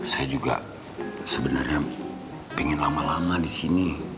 saya juga sebenarnya pengen lama lama di sini